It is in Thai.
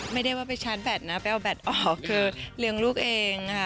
ไม่ได้ว่าไปชาร์จแบตนะไปเอาแบตออกคือเลี้ยงลูกเองค่ะ